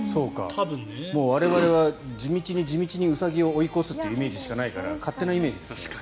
我々は地道に地道にウサギを追い越すというイメージしかないから勝手なイメージですけど。